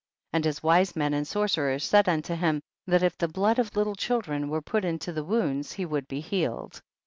29. And his wise men and sor cerers said unto him, that if the blood of Hltle children were put into the wounds he would be healed.